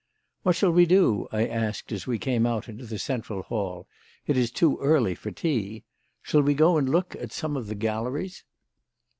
"What shall we do?" I asked, as we came out into the central hall; "it is too early for tea. Shall we go and look at some of the galleries?"